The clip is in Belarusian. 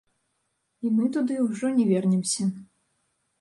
І мы туды ўжо не вернемся.